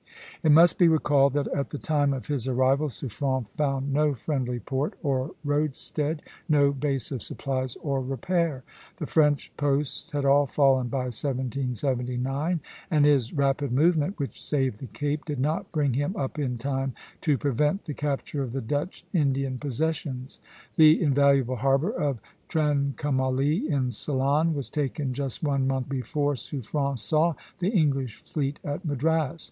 It must be recalled that at the time of his arrival Suffren found no friendly port or roadstead, no base of supplies or repair. The French posts had all fallen by 1779; and his rapid movement, which saved the Cape, did not bring him up in time to prevent the capture of the Dutch Indian possessions. The invaluable harbor of Trincomalee, in Ceylon, was taken just one month before Suffren saw the English fleet at Madras.